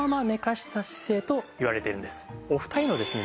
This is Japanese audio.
お二人のですね